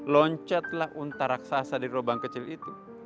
loncatlah unta raksasa di lubang kecil itu